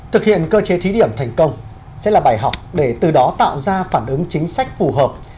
thực hiện cơ chế thí điểm thành công sẽ là bài học để từ đó tạo ra phản ứng chính sách phù hợp